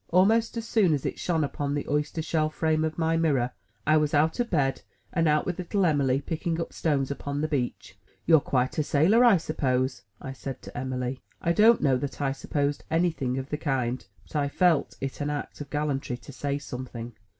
Almost as soon as it shone upon the oyster shell frame of my mirror, I was out of bed, and out with little Em'ly, picking up stones upon the beach. "You're quite a sailor, I suppose?'' I said to Em'ly. I don't know that I supposed any thing of the kind, but I felt it an act of gallantry to say something.